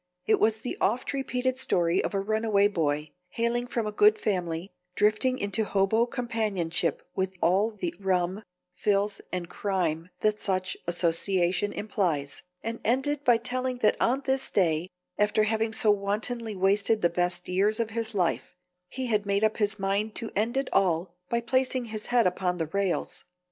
It was the oft repeated story of a runaway boy, hailing from a good family, drifting into hobo companionship with all the rum, filth and crime that such association implies, and ended by telling that on this day, after having so wantonly wasted the best years of his life, he had made up his mind to end it all by placing his head upon the rails.